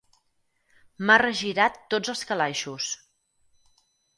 M'ha regirat tots els calaixos.